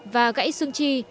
và gãy xương chi